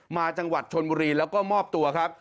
จังหวัดชนบุรีแล้วก็มอบตัวครับ